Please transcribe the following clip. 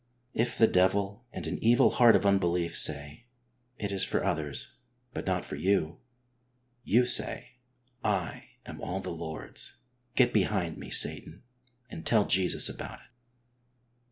If the devil and an evil heart of unbelief say :" It is for others, but not for you." You say: "lam all the Lord's; get behind me, Satan," and tell Jesus about it.